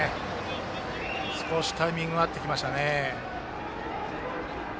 少しタイミングが合ってきましたね。